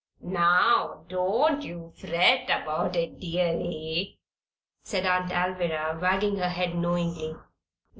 "Now, don't you fret about it, deary," said Aunt Alviry, wagging her head knowingly.